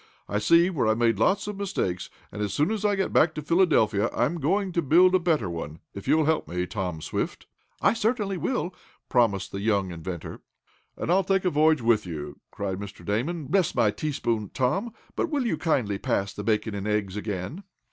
I see where I made lots of mistakes, and as soon as I get back to Philadelphia, I'm going to build a better one, if you'll help me, Tom Swift." "I certainly will," promised the young inventor. "And I'll take a voyage with you!" cried Mr. Damon. "Bless my teaspoon, Tom, but will you kindly pass the bacon and eggs again!"